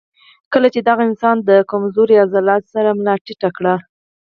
کله چې دغه انسان د کمزوري عضلاتو سره ملا ټېټه کړي